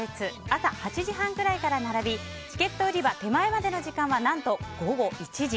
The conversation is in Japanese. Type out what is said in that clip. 朝８時半ぐらいから並びチケット売り場手前での時間は何と、午後１時。